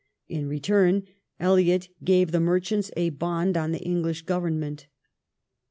In return, Elliot gave the merchants a bond on the English Govern ment.